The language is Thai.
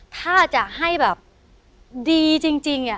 ท่าจะให้ดีจริง